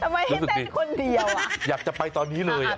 ให้เต้นคนเดียวอ่ะอยากจะไปตอนนี้เลยอ่ะ